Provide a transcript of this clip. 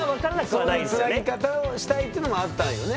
そういうつなぎ方をしたいっていうのもあったよね？